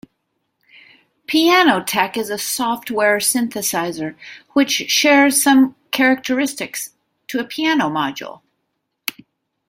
"Pianoteq" is a software synthesizer which share some characteristics to a piano module.